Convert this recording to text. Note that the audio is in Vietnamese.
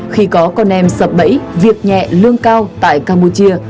khi có con em sập bẫy việc nhẹ lương cao tại campuchia